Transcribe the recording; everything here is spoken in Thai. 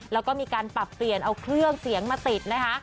แล้วก็มีการปรับเปลี่ยนเอาเครื่องเสียงมาติดนะคะ